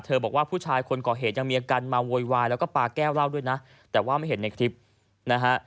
บอกว่าผู้ชายคนก่อเหตุยังมีอาการเมาโวยวายแล้วก็ปลาแก้วเหล้าด้วยนะแต่ว่าไม่เห็นในคลิปนะฮะ